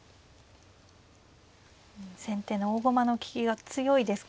先手の大駒の利きが強いですからね。